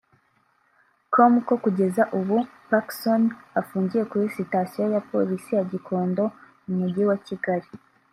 com ko kugeza ubu Pacson afungiye kuri sitasiyo ya Polisi ya Gikondo mu mujyi wa Kigali